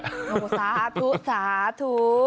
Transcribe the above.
สาธุสาธุ